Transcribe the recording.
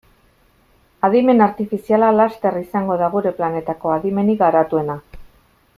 Adimen artifiziala laster izango da gure planetako adimenik garatuena.